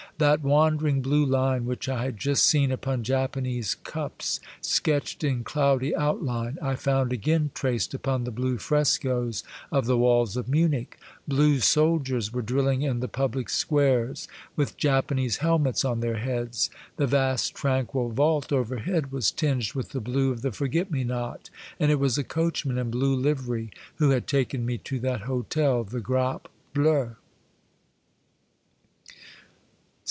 That wandering blue line which I had just seen upon Japanese cups, sketched in cloudy outline, I found again traced upon the blue frescos of the walls of Munich ; blue soldiers were drilling in the public squares, with Japanese helmets on their heads ; the vast tranquil vault overhead was tinged with the blue of the forget me not ; and it was a coachman in blue livery who had taken me to that hotel, the Grappe Bleue